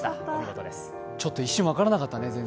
ちょっと一瞬分からなかったね。